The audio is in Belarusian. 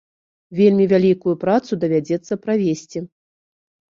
Вельмі вялікую працу давядзецца правесці.